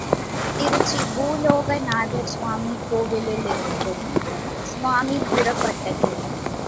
திருச்சி, பூலோகநாதர் சுவாமி கோவிலிலிருந்தும் சுவாமி புறப்பட்டது.